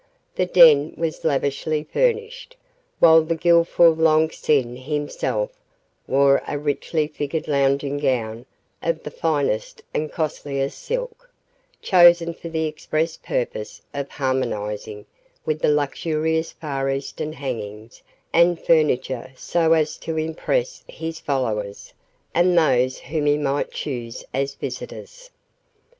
The den was lavishly furnished, while the guileful Long Sin himself wore a richly figured lounging gown of the finest and costliest silk, chosen for the express purpose of harmonizing with the luxurious Far Eastern hangings and furniture so as to impress his followers and those whom he might choose as visitors.